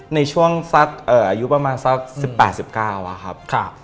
ในช่วงสักอายุประมาณสัก๑๘๑๙อะครับ